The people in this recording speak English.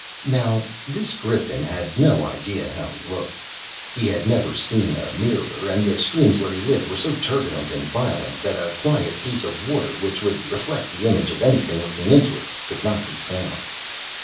Now this Griffin had no idea how he looked. He had never seen a mirror, and the streams where he lived were so turbulent and violent that a quiet piece of water, which would reflect the image of anything looking into it, could not be found.